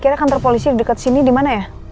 mas al ke kantor polisi dekat sini dimana ya